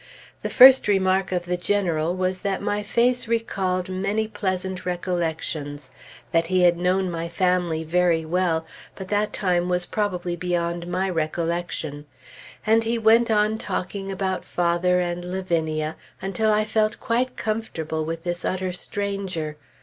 The first remark of the General was that my face recalled many pleasant recollections; that he had known my family very well, but that time was probably beyond my recollection; and he went on talking about father and Lavinia, until I felt quite comfortable, with this utter stranger....